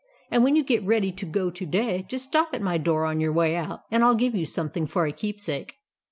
AND WHEN YOU GET READY TO GO TO DAY, JUST STOP AT MY DOOR ON YOUR WAY OUT, AND I'LL GIVE YOU SOMETHING FOR A KEEPSAKE."